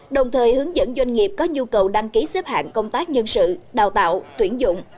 đồng thời hướng dẫn doanh nghiệp có nhu cầu đăng ký xếp hạng công tác nhân sự đào tạo tuyển dụng